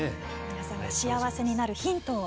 皆さんが幸せになるヒントを。